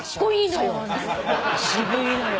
渋いのよ。